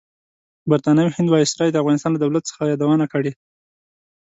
برطانوي هند وایسرای د افغانستان لۀ دولت څخه یادونه کړې.